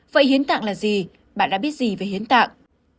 vậy hiến tạng là gì bạn đã biết gì về hiến tạng